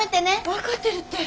分かってるって。